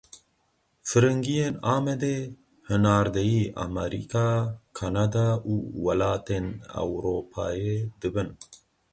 Firingiyên Amedê hinardeyî Amerîka, Kanada û welatên Ewropayê dibin.